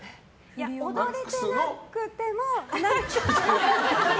いや、踊れてなくても。